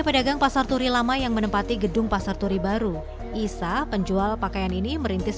pedagang pasar turi lama yang menempati gedung pasar turi baru isa penjual pakaian ini merintis